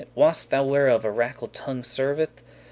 Wost* thou whereof a rakel tongue serveth?